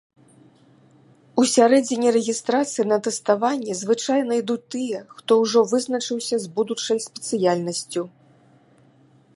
У сярэдзіне рэгістрацыі на тэставанне звычайна ідуць тыя, хто ўжо вызначыўся з будучай спецыяльнасцю.